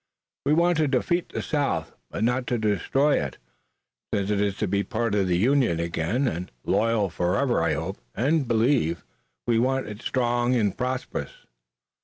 We want to defeat the South, but not to destroy it. Since it is to be a part of the Union again, and loyal forever I hope and believe, we want it strong and prosperous."